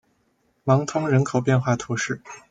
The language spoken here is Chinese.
芒通人口变化图示